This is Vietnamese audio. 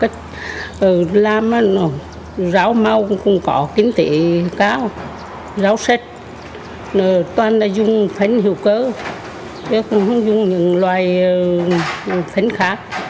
chúng tôi cũng dùng những loài phấn khát